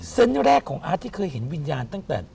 แรกของอาร์ตที่เคยเห็นวิญญาณตั้งแต่